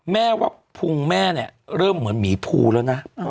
แม่วักภูมิแม่เริ่มเหมือนหมีภูแล้วนะ